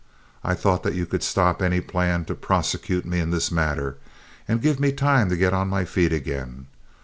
I thought that you could stop any plan to prosecute me in this matter, and give me time to get on my feet again.